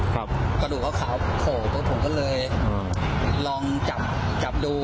ครับกระดูกเขาขาวโผล่ตัวผมก็เลยอืมลองจับจับดู